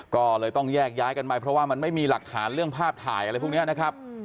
ก็เลยต้องแยกย้ายกันไปเพราะว่ามันไม่มีหลักฐานเรื่องภาพถ่ายอะไรพวกนี้นะครับ